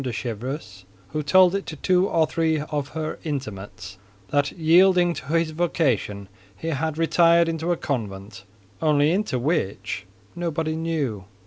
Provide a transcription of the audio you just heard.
de Chevreuse, who told it to two or three of her intimates, that, yielding to his vocation, he had retired into a convent—only into which, nobody knew.